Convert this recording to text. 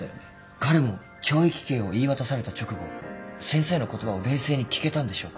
彼も懲役刑を言い渡された直後先生の言葉を冷静に聞けたんでしょうか？